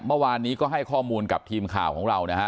เมื่อวานนี้ก็ให้ข้อมูลกับทีมข่าวของเรานะฮะ